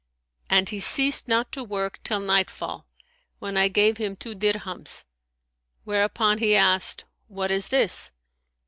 And he ceased not to work till nightfall, when I gave him two dirhams; whereupon he asked What is this!'